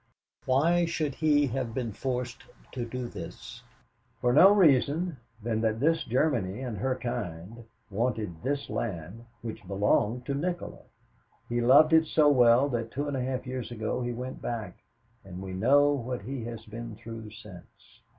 Why should he have been forced to do this? For no other reason than that Germany and her kind wanted this land which belonged to Nikola. He loved it so well that two and a half years ago he went back, and we know what he has been through since.